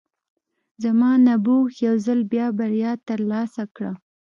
زما نبوغ یو ځل بیا بریا ترلاسه کړه